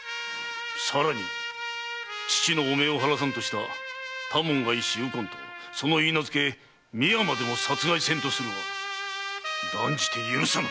さらに父の汚名を晴らさんとした多門が一子・右近とその許嫁美和までも殺害せんとするは断じて許さぬ！